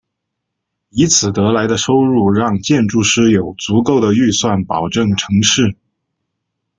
以此得来的收入让建筑师有足够的预算保证成事。